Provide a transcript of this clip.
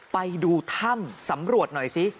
ไปดูถ้ำสำรวจหน่อยซิ